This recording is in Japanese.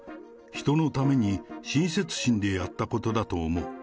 人のために親切心でやったことだと思う。